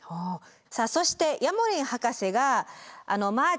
さあそしてヤモリン博士がまー